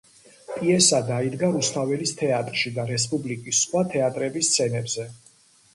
პიესა დაიდგა რუსთაველის თეატრში და რესპუბლიკის სხვა თეატრების სცენებზე.